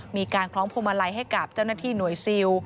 คล้องพวงมาลัยให้กับเจ้าหน้าที่หน่วยซิล